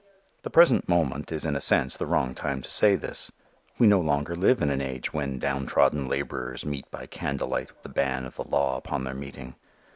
The present moment is in a sense the wrong time to say this. We no longer live in an age when down trodden laborers meet by candlelight with the ban of the law upon their meeting.